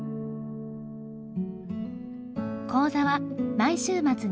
講座は毎週末に６時間。